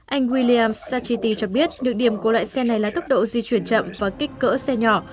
anh william sachity cho biết nhược điểm của loại xe này là tốc độ di chuyển chậm và kích cỡ xe nhỏ